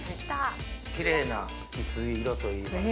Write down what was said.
キレイな翡翠色といいますか。